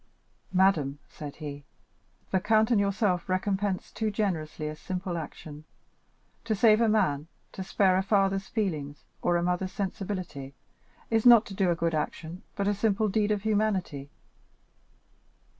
"Madame," said he, "the count and yourself recompense too generously a simple action. To save a man, to spare a father's feelings, or a mother's sensibility, is not to do a good action, but a simple deed of humanity."